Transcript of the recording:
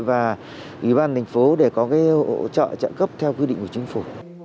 và ủy ban thành phố để có cái hỗ trợ trợ cấp theo quy định của chính phủ